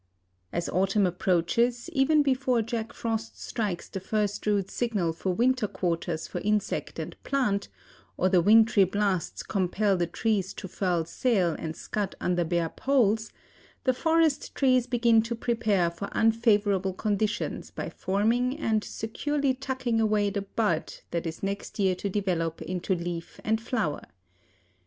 As autumn approaches, even before Jack Frost strikes the first rude signal for winter quarters for insect and plant, or the wintry blasts compel the trees to furl sail and scud under bare poles, the forest trees begin to prepare for unfavorable conditions by forming and securely tucking away the bud that is next year to develop into leaf and flower.